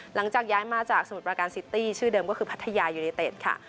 หลังจากย้ายมาจากสมุทรประการซิตี้ชื่อเดิมก็คือพัทยายูเนเต็ดค่ะ